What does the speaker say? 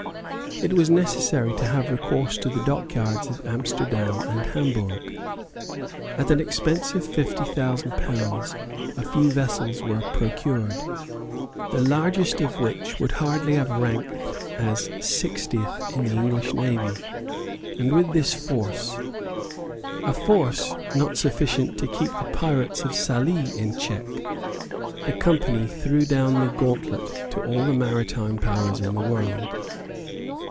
It was necessary to have recourse to the dockyards of Amsterdam and Hamburg. At an expense of fifty thousand pounds a few vessels were procured, the largest of which would hardly have ranked as sixtieth in the English navy; and with this force, a force not sufficient to keep the pirates of Sallee in check, the Company threw down the gauntlet to all the maritime powers in the world.